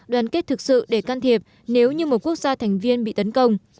đoàn kết thực sự để can thiệp nếu như một quốc gia thành viên bị tấn công